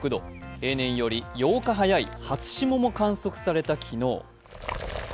例年より８日早い初霜も観測された昨日。